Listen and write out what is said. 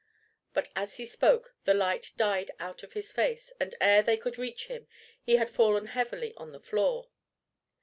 But as he spoke, the light died out of his face, and ere they could reach him he had fallen heavily on the floor.